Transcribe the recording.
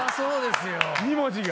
２文字が。